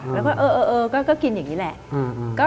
แล้วก็เออก็กินอย่างนี้แหละ